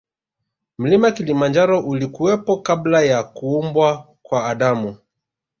Mlima kilimanjaro ulikuwepo kabla ya kuumbwa kwa adamu